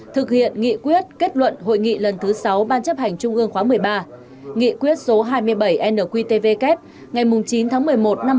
thực hiện nghị quyết kết luận hội nghị lần thứ sáu ban chấp hành trung ương khóa một mươi ba nghị quyết số hai mươi bảy nqtvk ngày chín tháng một mươi một năm hai nghìn một mươi ba